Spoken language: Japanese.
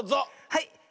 はい。